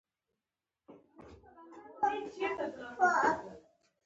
شنه، زرغونه، بنفشیې، ژړ